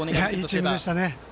いいチームでした。